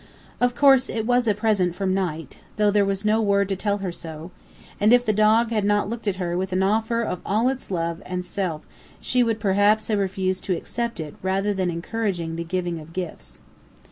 Of course it was a present from Knight, though there was no word to tell her so; and if the dog had not looked at her with an offer of all its love and self she would perhaps have refused to accept it rather than encourage the giving of gifts.